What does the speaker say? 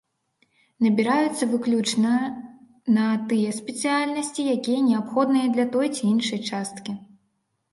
Набіраюцца выключна на тыя спецыяльнасці, якія неабходныя для той ці іншай часткі.